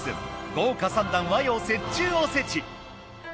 豪華三段和洋折衷おせち。